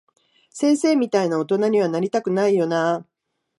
先生みたいな大人には、なりたくないよなぁ。